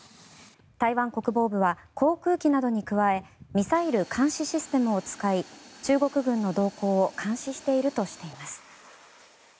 台湾国防部は航空機などに加えミサイル監視システムを使い中国軍の動向を監視しているとしています。